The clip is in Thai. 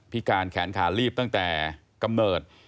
การแขนขาลีบตั้งแต่กำเนิด